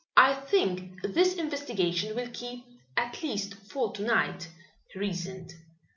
"I think this investigation will keep at least for to night," he reasoned.